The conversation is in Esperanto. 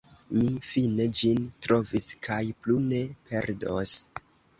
Mi fine ĝin trovis kaj plu ne perdos!